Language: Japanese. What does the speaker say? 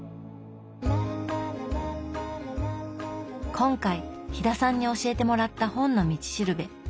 今回飛田さんに教えてもらった「本の道しるべ」。